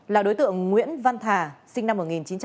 là đối tượng nguyễn văn thà sinh năm một nghìn chín trăm bảy mươi năm